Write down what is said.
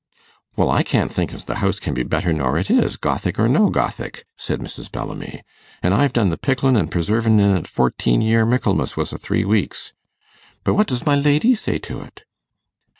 'Well, I can't think as the house can be better nor it is, Gothic or no Gothic,' said Mrs. Bellamy; 'an' I've done the picklin' and preservin' in it fourteen year Michaelmas was a three weeks. But what does my lady say to't?